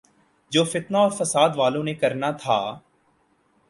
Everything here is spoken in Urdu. جو فتنہ اورفسادوالوں نے کرنا تھا۔